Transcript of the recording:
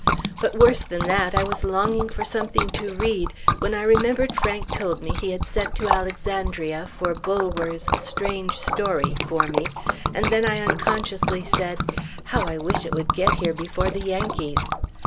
But worse than that, I was longing for something to read, when I remembered Frank told me he had sent to Alexandria for Bulwer's "Strange Story" for me, and then I unconsciously said, "How I wish it would get here before the Yankees!"